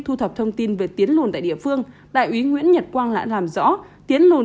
thu thập thông tin về tiến lùn tại địa phương đại úy nguyễn nhật quang đã làm rõ tiến lộn